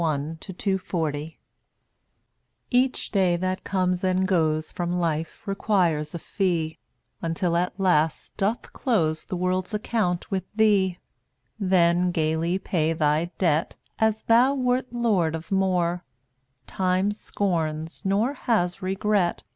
0Utt<J 1 6 1 Each day that comes and goes ^3ttt&¥ From life requires a fee Until at last doth close The world's account with thee. Then gayly pay thy debt As thou wert lord of more; Time scorns, nor has regret.